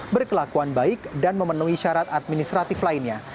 berkelakuan baik dan memenuhi syarat administratif lainnya